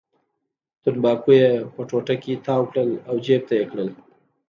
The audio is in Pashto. تنباکو یې په ټوټه کې تاو کړل او جېب ته یې کړل.